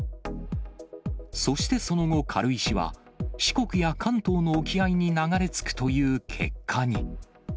そしてその後、軽石は、四国や関東の沖合に流れ着くという結果に。